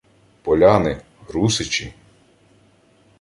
— Поляни! Русичі!..